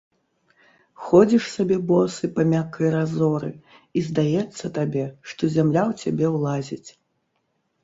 Ходзіш сабе босы па мяккай разоры, і здаецца табе, што зямля ў цябе ўлазіць.